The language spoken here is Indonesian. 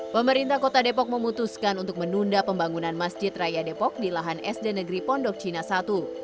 pemerintah kota depok memutuskan untuk menunda pembangunan masjid raya depok di lahan sd negeri pondok cina i